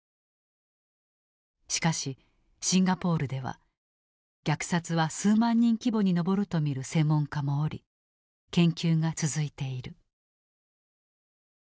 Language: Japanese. しかしシンガポールでは虐殺は数万人規模に上ると見る専門家もおり研究が続いている。